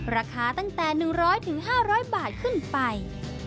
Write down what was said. ราคาตั้งแต่๑๐๐๕๐๐บาทขึ้นไป